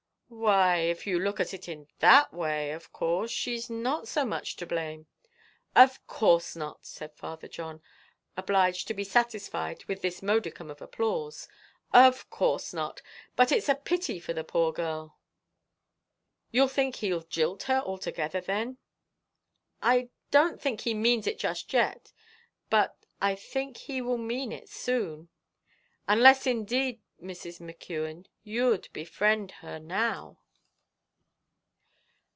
"Why, if you look at it in that way, of course, she's not so much to blame." "Of course not," said Father John, obliged to be satisfied with this modicum of applause; "of course not; but it's a pity for the poor girl." "You think he'll jilt her altogether, then?" "I don't think he means it yet; but I think he will mean it soon, unless, indeed, Mrs. McKeon, you'd befriend her now."